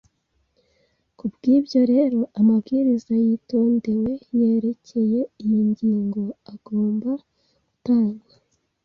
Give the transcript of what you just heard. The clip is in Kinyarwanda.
Kubw’ibyo rero, amabwiriza yitondewe yerekeye iyi ngingo agomba gutangwa